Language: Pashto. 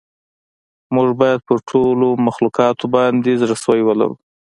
موږ باید پر ټولو مخلوقاتو باندې زړه سوی ولرو.